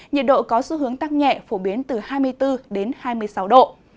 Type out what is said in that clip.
nhiệt độ có xu hướng tăng nhẹ phổ biến từ hai mươi bốn đến hai mươi sáu độ